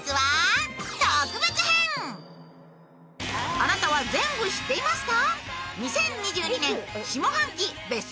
あなたは全部知っていますか？